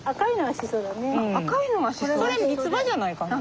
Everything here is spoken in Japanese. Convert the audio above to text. それミツバじゃないかな？